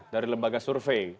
dari lembaga survei